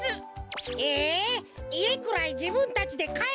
ええいえくらいじぶんたちでかえれるよ。